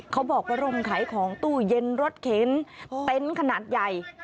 เขาบอกว่าร่มขายของตู้เย็นรถเข็นเต็นต์ขนาดใหญ่